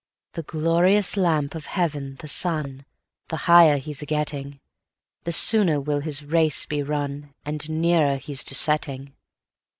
The glorious lamp of heaven, the sun, 5 The higher he 's a getting, The sooner will his race be run, And nearer he 's to setting.